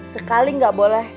sekali gak boleh